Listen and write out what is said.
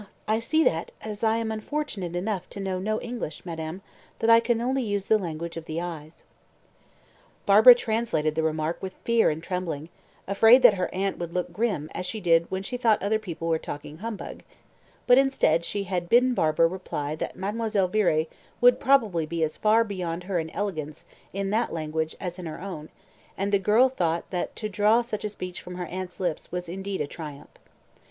I see that, as I am unfortunate enough to know no English, madame, I can only use the language of the eyes." Barbara translated the remark with fear and trembling, afraid that her aunt would look grim as she did when she thought people were talking humbug, but instead, she had bidden Barbara reply that Mademoiselle Viré would probably be as far beyond her in elegance in that language as in her own; and the girl thought that to draw such a speech from her aunt's lips was indeed a triumph.